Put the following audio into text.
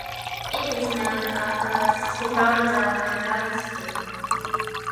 It is named after Seattle, the Emerald City.